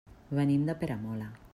Venim de Peramola.